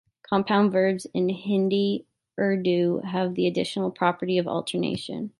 Compound verbs in Hindi-Urdu have the additional property of alternation.